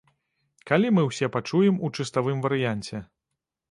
Калі мы ўсе пачуем у чыставым варыянце?